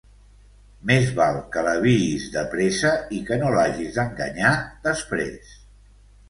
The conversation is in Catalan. Més val que l'aviïs de pressa i que no l'hagis d'enganyar, després.